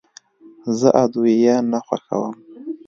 زه ادویه نه خوښوم.